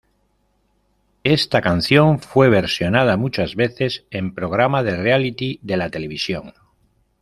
Esta canción fue versionada muchas veces en programa de reality de la televisión.